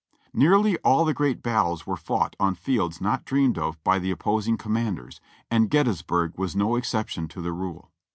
Nearly all the great battles were fought on fields not dreamed of by the opposing commanders, and Gettysburg was no excep tion to the rule.